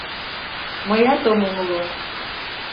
Мыят ом умыло!